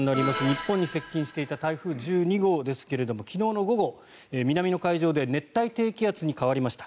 日本に接近していた台風１２号ですが昨日の午後、南の海上で熱帯低気圧に変わりました。